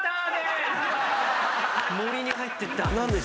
森に入っていった。